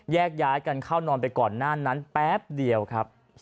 แยกย้ายกันเข้านอนไปก่อนหน้านั้นแป๊บเดียวครับ